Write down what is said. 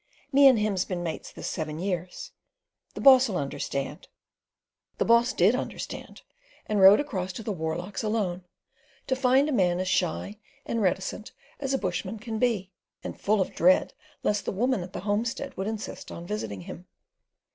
Me and him's been mates this seven years. The boss 'll understand." The boss did understand, and rode across to the Warlochs alone, to find a man as shy and reticent as a bushman can be, and full of dread lest the woman at the homestead would insist on visiting him.